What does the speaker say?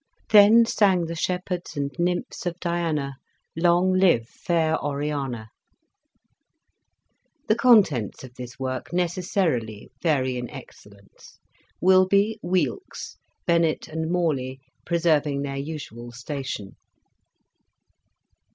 " Then sang the Shepherds and nymphs of Diana. Long live fair Oriana." The contents of this work necessarily vary in excellence, Wilbye, Weelkes, Bennet and Morley, preserving their usual station.